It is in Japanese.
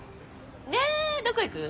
ねどこ行く？